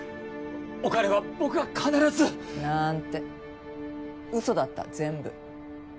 お金は僕が必ず。なんてうそだった全部。